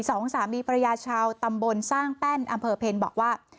สองสามีภรรยาชาวตำบลสร้างแป้นอำเภอเพลบอกว่า